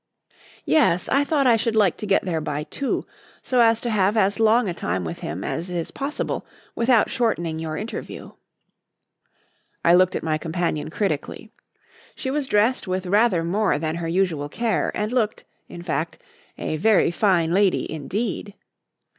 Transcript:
"Yes; I thought I should like to get there by two, so as to have as long a time with him as is possible without shortening your interview." I looked at my companion critically. She was dressed with rather more than her usual care, and looked, in fact, a very fine lady indeed.